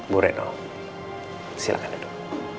bu reno silahkan duduk